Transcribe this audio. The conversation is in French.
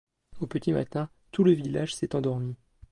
Au petit matin, tout le village s'est endormi.